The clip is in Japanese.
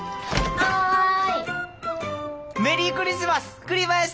はい。